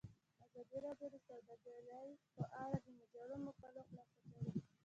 ازادي راډیو د سوداګري په اړه د مجلو مقالو خلاصه کړې.